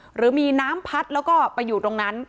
หรือมีน้ำพัดแล้วก็ไปอยู่ตรงนั้น